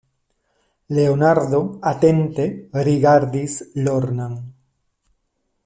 Leonardo atente rigardis Lornan.